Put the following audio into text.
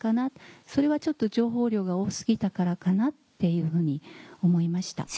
それはちょっと情報量が多過ぎたからかなっていうふうに思いました。